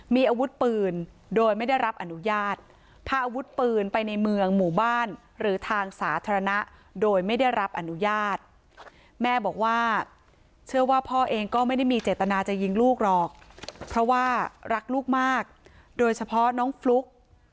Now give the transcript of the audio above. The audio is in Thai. มีอาวุธปืนโดยไม่ได้รับอนุญาตพาอาวุธปืนไปในเมืองหมู่บ้านหรือทางสาธารณะโดยไม่ได้รับอนุญาตแม่บอกว่าเชื่อว่าพ่อเองก็ไม่ได้มีเจตนาจะยิงลูกหรอกเพราะว่ารักลูกมากโดยเฉพาะน้องฟลุ๊ก